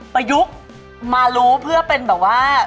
ประยุกต์มารู้เพื่อเป็นแบบว่า